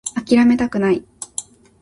諦めたくない